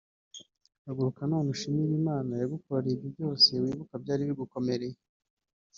Haguruka none ushimire Imana yagukoreye ibyo byose wibuka byari bigukomereye